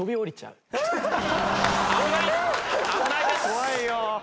怖いよ。